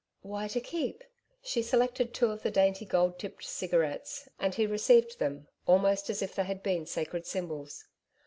'Why to keep?' She selected two of the dainty gold tipped cigarettes, and he received them almost as if they had been sacred symbols.